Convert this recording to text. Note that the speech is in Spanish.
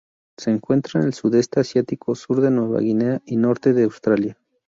Se encuentra en el Sudeste asiático, sur de Nueva Guinea y norte de Australia.